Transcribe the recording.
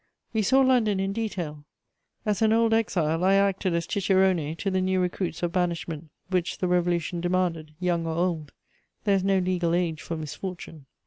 We saw London in detail; as an old exile, I acted as cicerone to the new recruits of banishment which the Revolution demanded, young or old: there is no legal age for misfortune.